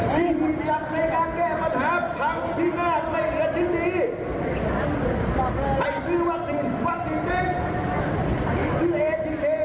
นี่แหละครับคือสภาพรัฐบาล